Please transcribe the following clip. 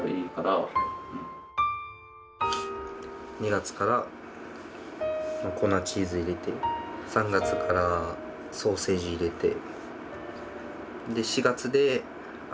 ２月から粉チーズ入れて３月からソーセージ入れて。